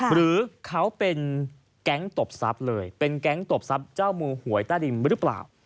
หรือเขาเป็นแก๊งตบทรัพย์เลยเป็นแก๊งตบทรัพย์เจ้ามือหวยใต้ดินหรือเปล่า